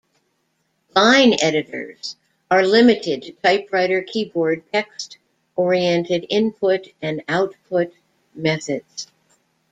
Line editors are limited to typewriter keyboard text-oriented input and output methods.